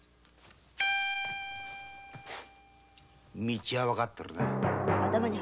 道は分かってるな。